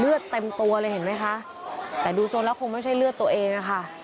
เต็มตัวเลยเห็นไหมคะแต่ดูทรงแล้วคงไม่ใช่เลือดตัวเองอะค่ะ